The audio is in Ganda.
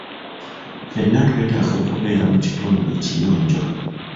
Ffenna twetaaga okubeera mu kitundu ekiyonjo.